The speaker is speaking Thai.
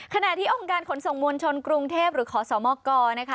ขณะที่องค์การขนส่งมวลชนกรุงเทพหรือขอสมกนะคะ